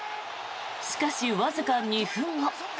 しかし、わずか２分後。